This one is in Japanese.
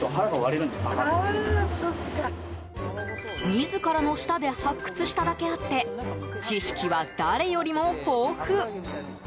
自らの舌で発掘しただけあって知識は誰よりも豊富。